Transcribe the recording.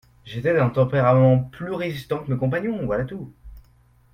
J’étais d’un tempérament plus résistant que mes compagnons, voilà tout.